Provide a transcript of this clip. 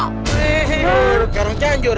hehehe karang canjur